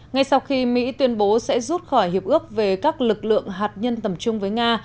ngay sau khi mỹ tuyên bố sẽ rút khỏi hiệp ước về các lực lượng hạt nhân tầm chung với nga